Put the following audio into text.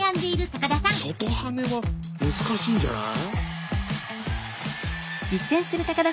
外はねは難しいんじゃない？